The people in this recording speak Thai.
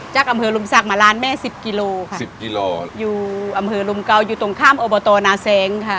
จากอำเฮอร์ลมศักดิ์มาร้านแม่๑๐กิโลกรัมอยู่อำเฮอร์ลมเกาอยู่ตรงข้ามอบตนาแสงค่ะ